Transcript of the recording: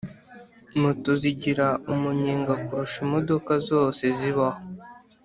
Moto zigira umunyenga kurusha imodoka zose zibaho